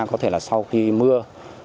có thể là sau khi mưa